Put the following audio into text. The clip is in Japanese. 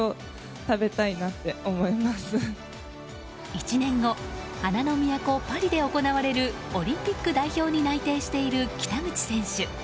１年後、花の都パリで行われるオリンピック代表に内定している北口選手。